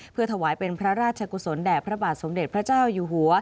เพื่อถวายเป็นพระราชกุศลแด่พระบาทสมเด็จพระเจ้าอยู่หัว